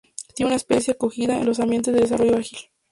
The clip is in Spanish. Tiene una especial acogida en los ambientes de desarrollo ágil.